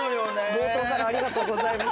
冒頭からありがとうございます